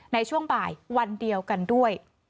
ในช่วงบ่ายวันเดียวกันด้วย